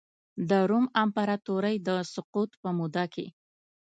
د روم امپراتورۍ د سقوط په موده کې.